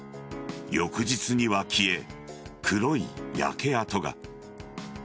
翌日には消え、黒い焼け跡が。